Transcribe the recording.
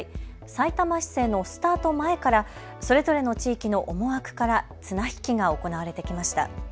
さいたま市政のスタート前からそれぞれの地域の思惑から綱引きが行われてきました。